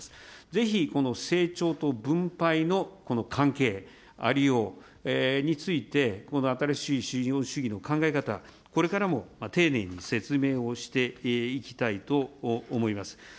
ぜひこの成長と分配の関係、ありようについて、この新しい資本主義の考え方、これからも丁寧に説明をしていきたいと思います。